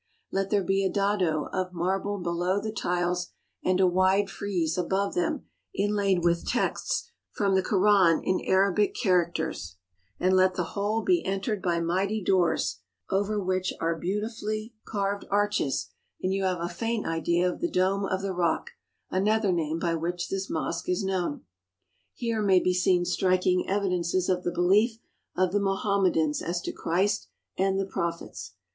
Let there be a dado of marble below the tiles and a wide frieze above them inlaid with texts from the Koran in Arabic characters, and let the whole be entered by mighty doors over which are beautifully 62 ON THE SITE OF SOLOMON'S TEMPLE carved arches, and you have a faint idea of the Dome of the Rock, another name by which this mosque is known. Here may be seen striking evidences of the belief of the Mohammedans as to Christ and the prophets.